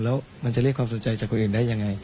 แล้วมันจะเรียกความสนใจจากคนอื่นได้ยังไง